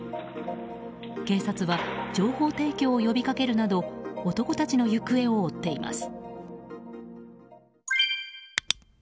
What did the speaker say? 警察は情報提供を呼びかけるなど男たちの行方を追っています。